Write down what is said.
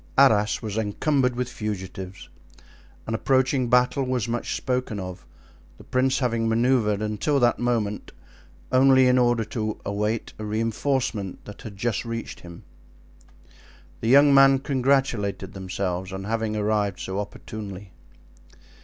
Arras was encumbered with fugitives. An approaching battle was much spoken of, the prince having manoeuvred, until that movement, only in order to await a reinforcement that had just reached him. The young men congratulated themselves on having arrived so opportunely.